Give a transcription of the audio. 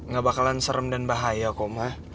gak bakalan serem dan bahaya kok mah